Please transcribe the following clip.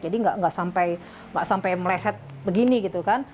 jadi nggak sampai meleset begini gitu kan